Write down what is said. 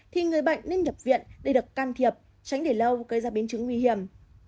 thì người bệnh nên nhập viện để được can thiệp tránh để lâu gây ra biến chứng nguy hiểm